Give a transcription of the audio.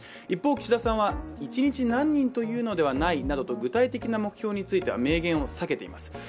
一方岸田さんは１日に何人というのではないなどと具体的な目標については明言を避けています。